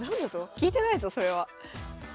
聞いてないぞそれは。